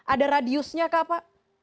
ada radiusnya ke apa